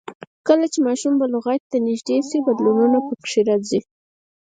کله چې ماشوم بلوغیت ته نږدې شي، بدلونونه پکې راځي.